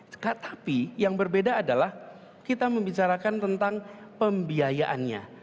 tetapi yang berbeda adalah kita membicarakan tentang pembiayaannya